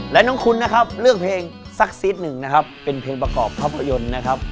และน้องคุณนะครับเลือกเพลงสักซีดหนึ่งนะครับเป็นเพลงประกอบภาพยนตร์นะครับ